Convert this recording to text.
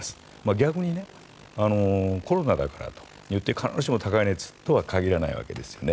逆にコロナだからといって必ずしも高い熱とは限らないわけなんですね。